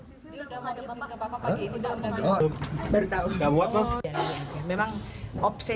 saya harus laporan ke pak ahok